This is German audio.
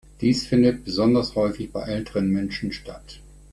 Dies findet besonders häufig bei älteren Menschen statt.